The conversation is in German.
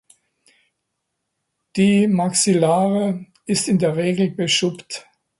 Die Maxillare ist in der Regel beschuppt.